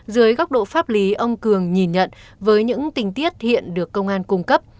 dưới góc độ pháp lý ông cường nhìn nhận với những tình tiết hiện được công an cung cấp